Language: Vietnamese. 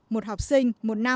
một học sinh